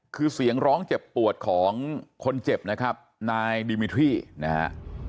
คือเสียงร้องเจ็บปวดของคนเจ็บนะครับนายดิมิทรี่นะฮะ